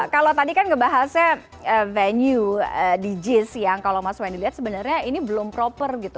kalau tadi kan ngebahasnya venue di jis yang kalau mas wendy lihat sebenarnya ini belum proper gitu